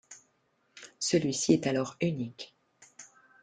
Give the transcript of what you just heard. Celui-ci est alors unique.